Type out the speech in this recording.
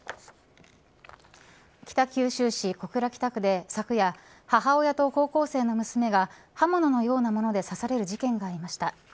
北九州市小倉北区で昨夜、母親と高校生の娘が刃物のようなもので刺される事件がありました。